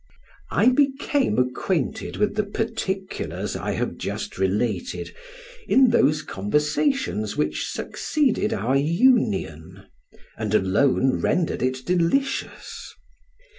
I became acquainted with the particulars I have just related, in those conversations which succeeded our union, and alone rendered it delicious.